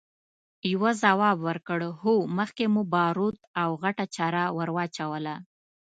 يوه ځواب ورکړ! هو، مخکې مو باروت او غټه چره ور واچوله!